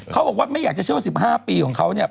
เขาบอกว่าไม่อยากจะเชื่อว่า๑๕ปีของเขาเนี่ย